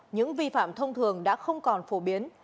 những vi phạm thông thường đã không còn phổ biến